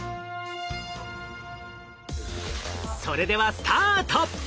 それではスタート。